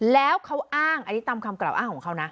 แล้วเขาอ้างอันนี้ตามคำกล่าวอ้างของเขานะ